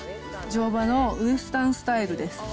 乗馬のウエスタンスタイルです。